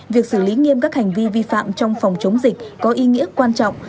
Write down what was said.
việc xử lý nghiêm các hành vi vi phạm trong phòng chống dịch có ý nghĩa quan trọng